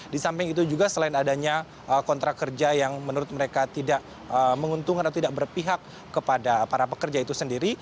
di samping itu juga selain adanya kontrak kerja yang menurut mereka tidak menguntungkan atau tidak berpihak kepada para pekerja itu sendiri